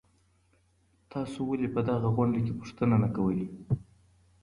تاسو ولي په دغه غونډې کي پوښتنه نه کوئ؟